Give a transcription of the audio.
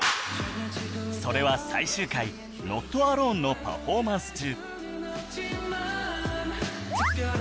それは最終回『ＮｏｔＡｌｏｎｅ』のパフォーマンス中